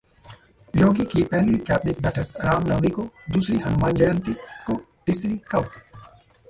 योगी की पहली कैबिनेट बैठक रामनवमी को, दूसरी हनुमान जयंती को, तीसरी कब?